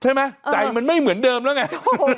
ใช่ไหมใจมันไม่เหมือนเดิมแล้วไง